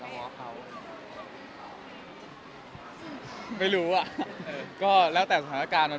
ก็งานเป็นเรื่องปกติ